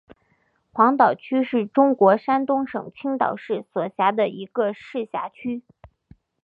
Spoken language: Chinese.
黄岛区是中国山东省青岛市所辖的一个市辖区。